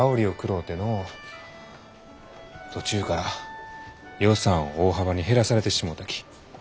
途中から予算を大幅に減らされてしもうたき。